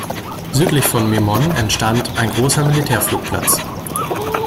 Südlich von Mimoň entstand ein großer Militärflugplatz.